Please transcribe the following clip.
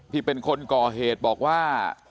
ที่เป็นคนก่อเหตุบอกว่า